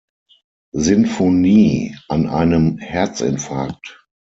Sinfonie" an einem Herzinfarkt.